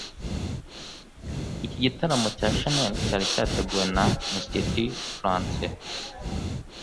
Iki gitaramo cya Shanel cyari cyateguwe na Institut Francais